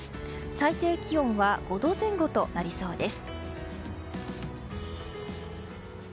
最低気温は５度前後となりそうです。